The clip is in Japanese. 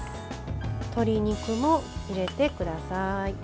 鶏肉も入れてください。